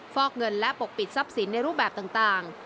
ฟอกเงินและปกปิดทรัพย์สินในรูปแบบต่าง